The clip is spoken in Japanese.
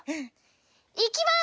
いきます！